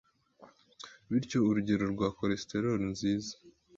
bityo urugero rwa cholesterol nziza